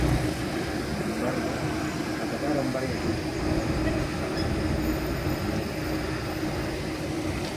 Sin embargo, atacaron varias veces con la artillería los muros de Pavía.